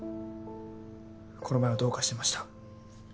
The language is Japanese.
この前はどうかしてました。